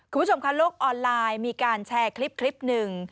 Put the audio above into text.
คุณผู้ชมค่ะโลกออนไลน์มีการแชร์คลิปหนึ่ง